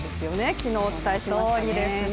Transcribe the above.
昨日お伝えしましたね。